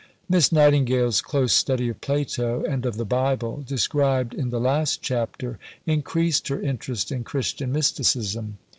Miss Nightingale's close study of Plato and of the Bible, described in the last chapter, increased her interest in Christian mysticism.